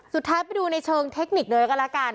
สุดท้ายไปดูในเชิงเทคนิคเลยก็แล้วกัน